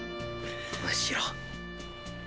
むしろ